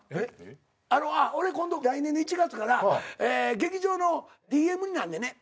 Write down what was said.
俺今度来年の１月から劇場のＤＭになんねんね。